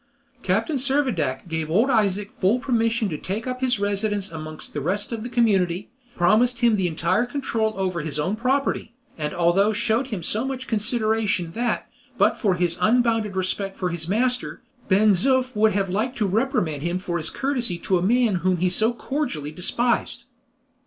Captain Servadac gave old Isaac full permission to take up his residence amongst the rest of the community, promised him the entire control over his own property, and altogether showed him so much consideration that, but for his unbounded respect for his master, Ben Zoof would have liked to reprimand him for his courtesy to a man whom he so cordially despised.